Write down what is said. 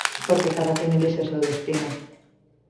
Porque cada quen elixe o seu destino.